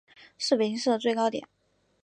是北京市的最高点。